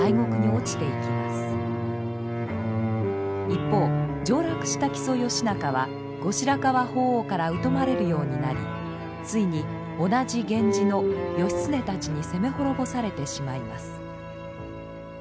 一方上洛した木曽義仲は後白河法皇から疎まれるようになりついに同じ源氏の義経たちに攻め滅ぼされてしまいます。